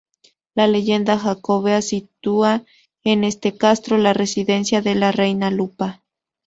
La leyenda jacobea sitúa en este castro la residencia de la Reina Lupa.